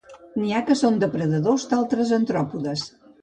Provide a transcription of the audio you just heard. N'hi ha que són depredadors d'altres artròpodes.